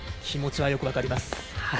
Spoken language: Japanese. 気持ちはよく分かります。